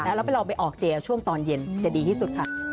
แล้วไปลองไปออกเจช่วงตอนเย็นจะดีที่สุดค่ะ